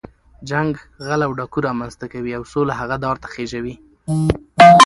جنګ غل او ډاګو رامنځ ته کوي، او سوله هغه دار ته خېږوي.